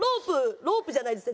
ロープじゃないですね。